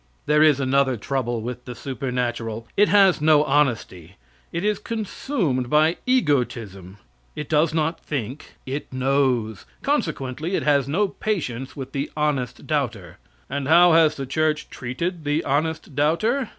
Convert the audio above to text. There is another trouble with the supernatural. It has no honesty; it is consumed by egotism; it does not think it knows; consequently it has no patience with the honest doubter. And how has the church treated the honest doubter?